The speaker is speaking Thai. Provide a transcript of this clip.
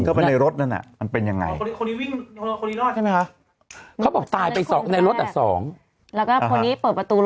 เข้าไปในรถนั้นอ่ะเป็นยังไงตายไปสองในรถแต่๒แล้วก็พอที่เปิดประตูรถ